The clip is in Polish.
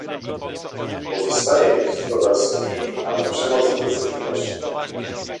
Pozostaje ich coraz mniej, ale przemoc wobec nich rośnie